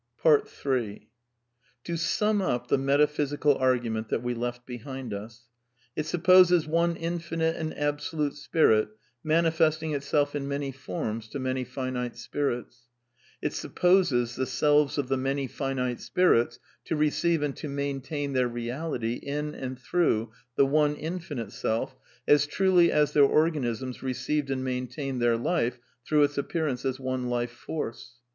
in To sum up the metaphysical argument that we left be hind us. It supposes one infinite and absolute Spirit mani festing itself in many forms to many finite spirits. It supposes the selves of the many finite spirits to receive and to maintain their reality in and through the one infinite Self as truly as their organisms received and maintained their life through Its appearance as one Life Force.